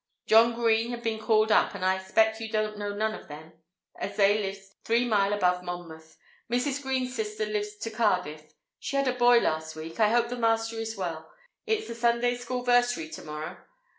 John Green have been called up but I expec you dont know none of them As they lives 3 mile above Monmouth. Mrs Greens sister lives to Cardiff she had a boy last week. i hope the master is well. Its the Sunday School versary tomorror.